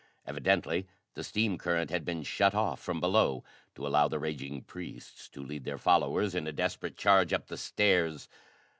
Evidently, the steam current had been shut off from below to allow the raging priests to lead their followers in a desperate charge up the stairs.